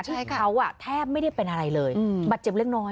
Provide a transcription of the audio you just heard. ที่เขาแทบไม่ได้เป็นอะไรเลยบาดเจ็บเล็กน้อย